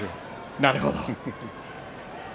なるほど。